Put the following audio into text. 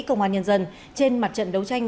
công an nhân dân trên mặt trận đấu tranh